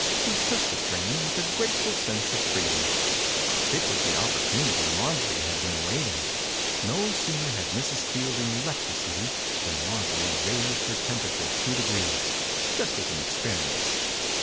She took the train with a grate ful sense of freedom. It was the opportunity Mar jorie had been awaiting. No sooner had Mrs. Fielding left the city than Marjorie raised her temperature two degrees, just as an experiment.